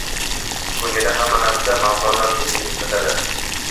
Ko‘nyada hamma narsa Mavlono Rumiyni eslatadi...